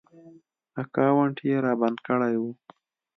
اکاونټ ېې رابند کړی و